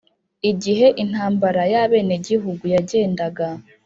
igihe intambara y abenegihugu yagendaga